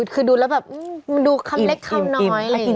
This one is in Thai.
คือดูแล้วแบบมันดูคำเล็กคำน้อย